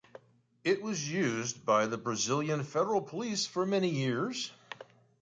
It was used by the Brazilian Federal Police for many years.